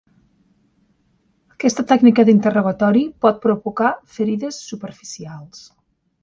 Aquest tècnica d'interrogatori pot provocar ferides superficials.